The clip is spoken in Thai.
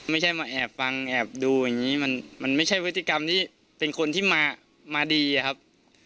ไม่ใช่มาแอบฟังแอบดูอย่างนี้มันไม่ใช่พฤติกรรมที่เป็นคนที่มาดีอะครับ